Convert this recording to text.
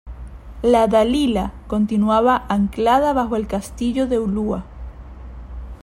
" la Dalila " continuaba anclada bajo el Castillo de Ulua ,